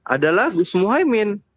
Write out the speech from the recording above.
adalah gus muhaymin